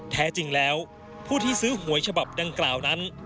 แท้จริงแล้วผู้ที่ซื้อหวยฉบับดังกล่าวนั้น